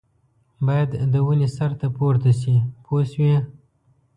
باید د ونې سر ته پورته شي پوه شوې!.